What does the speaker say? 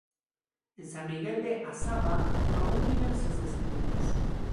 En San Miguel de Azapa, aún viven sus descendientes.